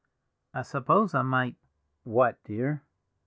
I suppose I might—" "What, dear?"